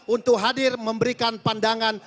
untuk hadir memberikan pandangan